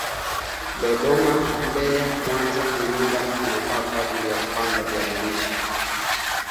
Ishirini na tatu) na shilingi mia mbili thamini na tisa za Tanzania (Dola sufuri.